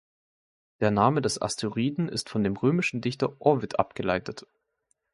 Der Name des Asteroiden ist von dem römischen Dichter Ovid abgeleitet.